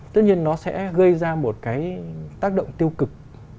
tất nhiên nó sẽ gây ra một cái tác động tiêu cực